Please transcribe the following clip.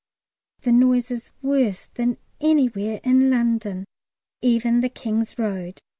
The noise is worse than anywhere in London, even the King's Road.